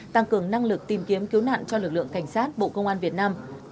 tăng cường năng lực tìm kiếm cứu nạn cho lực lượng cảnh sát bộ công an việt nam